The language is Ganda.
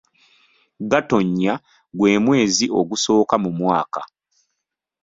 Gatonnya gwe mwezi ogusooka mu mwaka.